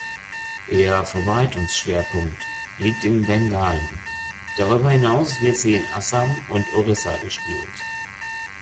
Ihr Verbreitungsschwerpunkt liegt in Bengalen, darüber hinaus wird sie in Assam und Orissa gespielt.